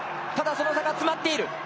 ただ、その差が詰まっている。